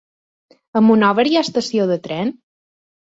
A Monòver hi ha estació de tren?